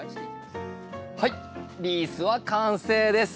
はいリースは完成です。